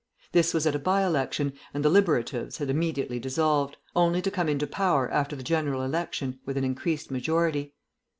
This was at a by election, and the Liberatives had immediately dissolved, only to come into power after the General Election with an increased majority.